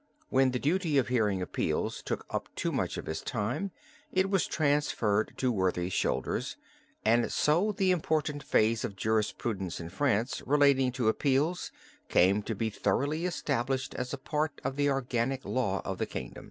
When the duty of hearing appeals took up too much of his time it was transferred to worthy shoulders, and so the important phase of jurisprudence in France relating to appeals, came to be thoroughly established as a part of the organic law of the kingdom.